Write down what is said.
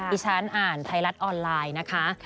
ที่ฉันอ่านไทยรัฐออนไลน์นะคะ